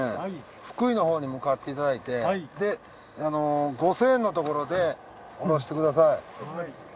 福井のほうに向かっていただいてで５，０００円のところで降ろしてください。